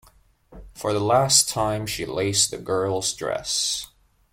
For the last time she laced the girl's dress.